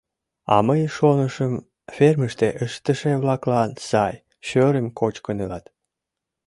«А мый шонышым, фермыште ыштыше-влаклан сай, шӧрым кочкын илат.